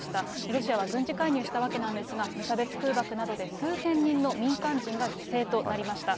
ロシアは軍事介入したわけなんですが、無差別空爆などで数千人の民間人が犠牲となりました。